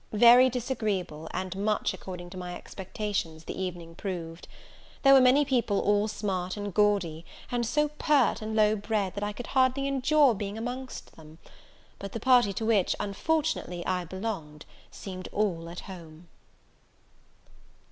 Very disagreeable, and much according to my expectations, the evening proved. There were many people all smart and gaudy, and so pert and low bred, that I could hardly endure being amongst them; but the party to which, unfortunately, I belonged, seemed all at home.